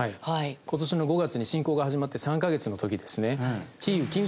今年の５月に侵攻が始まって３か月の時ですね。